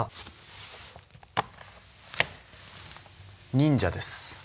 忍者です。